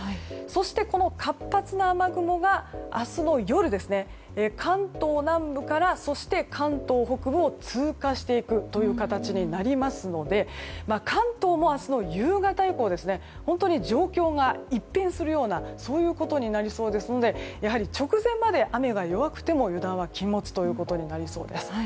そして、この活発な雨雲が明日の夜関東南部から関東北部を通過していく形になりますので関東も明日の夕方以降本当に状況が一変するようなことになりそうですのでやはり直前まで雨が弱くても油断は禁物ということになりそうです。